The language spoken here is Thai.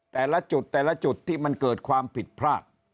แต่ละจุดแต่ละจุดที่มันเกิดความผิดพลาด